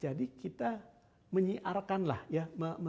jadi kita menyiarkan lah ya